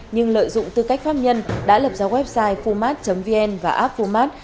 nhưng lợi dụng tư cách pháp nhân đã lập ra website fumat vn và app fumat